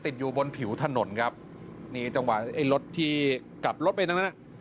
ติดอยู่บนผิวถนนครับนี่จังหวะไอ้รถที่กลับรถไปทั้งนั้นอ่ะ